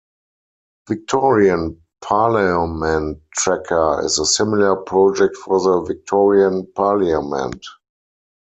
Victorian Parliament Tracker is a similar project for the Victorian Parliament.